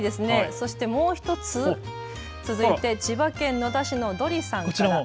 そしてもう１つ、続いて千葉県野田市のどりさんから。